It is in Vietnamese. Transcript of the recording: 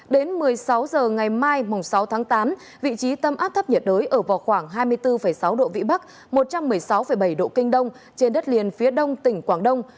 đến một mươi sáu h ngày mai sáu tháng tám vị trí tâm áp thấp nhiệt đới ở vào khoảng hai mươi bốn sáu độ vĩ bắc một trăm một mươi sáu bảy độ kinh đông trên đất liền phía đông tỉnh quảng đông